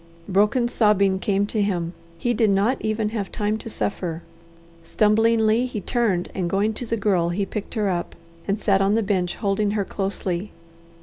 Broken sobbing came to him. He did not even have time to suffer. Stumblingly he turned and going to the Girl he picked her up, and sat on the bench holding her closely.